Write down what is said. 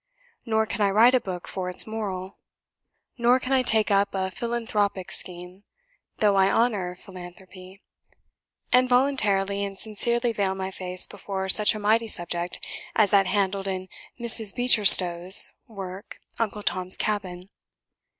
Nor can I write a book for its moral. Nor can I take up a philanthropic scheme, though I honour philanthropy; and voluntarily and sincerely veil my face before such a mighty subject as that handled in Mrs. Beecher Stowe's work, 'Uncle Tom's Cabin.'